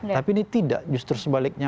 tapi ini tidak justru sebaliknya